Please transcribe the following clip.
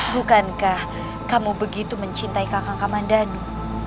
bukankah kamu begitu mencintai kakang kakang mandano